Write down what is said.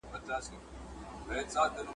پروا یې نسته، قضاوت په کاردئ